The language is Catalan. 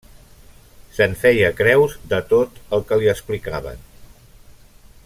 Se'n feia creus, de tot el que li explicaven.